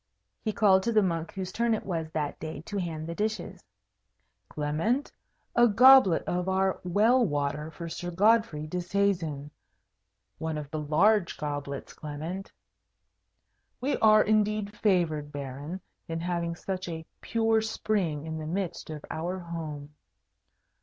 he called to the monk whose turn it was that day to hand the dishes, "Clement, a goblet of our well water for Sir Godfrey Disseisin. One of the large goblets, Clement. We are indeed favoured, Baron, in having such a pure spring in the midst of our home."